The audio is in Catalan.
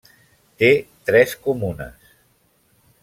Té tres comunes.